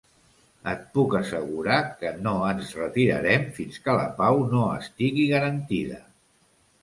Et puc assegurar que no ens retirarem fins que la pau no estigui garantida.